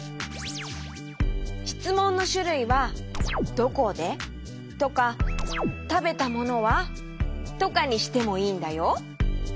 しつもんのしゅるいは「どこで？」とか「たべたものは？」とかにしてもいいんだよ。